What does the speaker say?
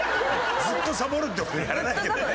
ずっとさぼるってほどやらないけどね。